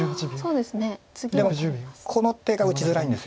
でもこの手が打ちづらいんです。